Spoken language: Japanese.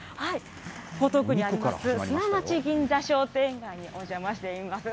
江東区にあります、砂町銀座商店街にお邪魔しています。